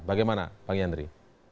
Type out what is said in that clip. bagaimana pak yandri